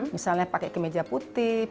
misalnya pakai ke meja putih pakai ke kaki